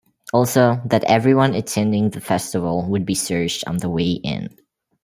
Also, that everyone attending the festival would be searched on the way in.